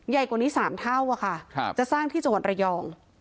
ใหญ่กว่านี้๓เท่าอะค่ะจะสร้างที่จังหวัดระยอง